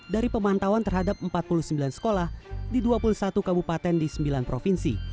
dari pemantauan terhadap empat puluh sembilan sekolah di dua puluh satu kabupaten di sembilan provinsi